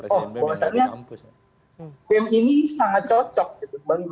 oh bahwasanya bem ini sangat cocok gitu